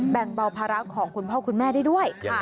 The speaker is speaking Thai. แบ่งเบาภาระของคุณพ่อคุณแม่ได้ด้วย